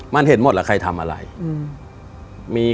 มันเห็นหมดล่ะใครทำอะไร